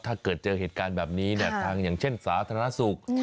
ถ้าเกิดเจอเหตุการณ์แบบนี้เนี่ยทางอย่างเช่นสาธารณสุข